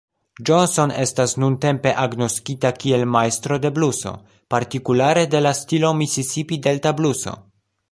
Johnson estas nuntempe agnoskita kiel majstro de bluso, partikulare de la stilo Misisipi-Delta bluso.